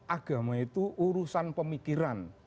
agama itu urusan pemikiran